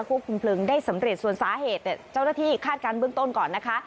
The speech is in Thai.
พวกคุณเพลิงได้สำเร็จส่วนสาเหตุนะจรฐีคาดการณ์เบื้องต้นก่อนนะคะ